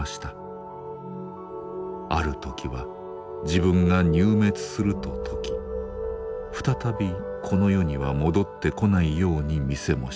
あるときは自分が入滅すると説き再びこの世には戻って来ないように見せもしました。